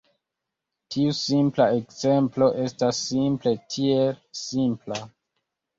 Tiu simpla ekzemplo estas simple tiel: simpla.